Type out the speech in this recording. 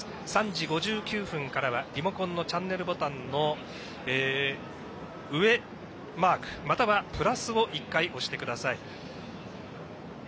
３時５９分からはリモコンのチャンネルボタンの上マークまたはプラスを１回押してください。